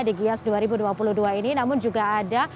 di gias dua ribu dua puluh dua ini namun juga ada